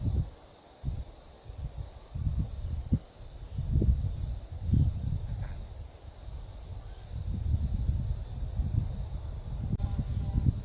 สวัสดีครับสวัสดีครับ